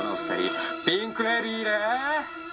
ピンク・レディーで。